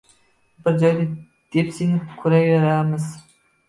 bir joyda depsinib turaveramiz